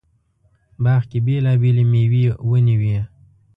باغ کې بېلابېلې مېوې ونې وې.